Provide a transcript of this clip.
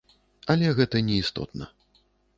Але гэта не істотна.